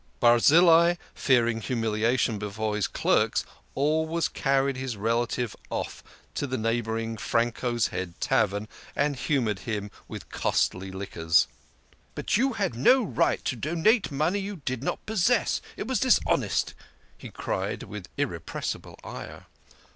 Barzillai, fearing humiliation before his clerks, always car ried his relative off to the neighbouring Franco's Head Tav ern, and humoured him with costly liquors. " But you had no right to donate money you did not possess ; it was dishonest," he cried with irrepressible ire.